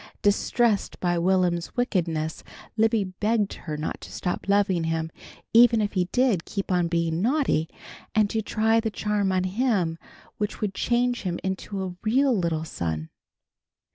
Distressed by Will'm's wickedness, Libby begged her not to stop loving him even if he did keep on being naughty, and to try the charm on him which would change him into a real little son.